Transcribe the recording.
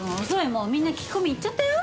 もうみんな聞き込み行っちゃったよ。